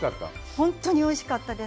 本当においしかったです。